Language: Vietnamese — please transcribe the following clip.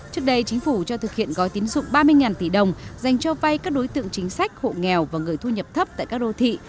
trước đây chính phủ cho thực hiện gói tín dụng ba mươi tỷ đồng dành cho vay các đối tượng chính sách hộ nghèo và người thu nhập thấp tại các đô thị